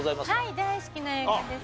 大好きな映画です。